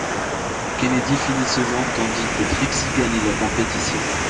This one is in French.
Kennedy finit seconde, tandis que Trixie gagne la compétition.